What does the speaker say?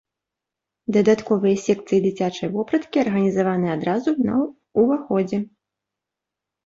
Дадатковыя секцыі дзіцячай вопраткі арганізаваныя адразу на ўваходзе.